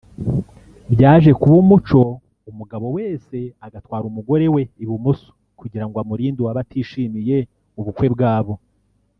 Byaje kuba umuco umugabo wese agatwara umugore we ibumoso kugira ngo amurinde uwaba atishimiye ubukwe bwabo